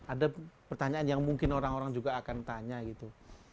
ada pertanyaan yang mungkin orang orang juga akan tanya gitu